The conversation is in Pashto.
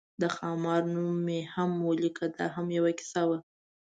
د خامار نوم مې هم ولیکه، دا هم یوه کیسه وه.